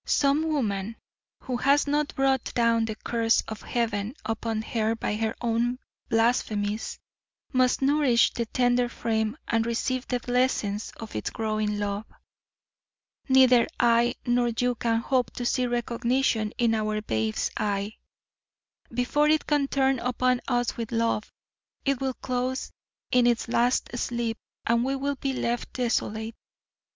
Some woman who has not brought down the curse of Heaven upon her by her own blasphemies must nourish the tender frame and receive the blessing of its growing love. Neither I nor you can hope to see recognition in our babe's eye. Before it can turn upon us with love, it will close in its last sleep and we will be left desolate.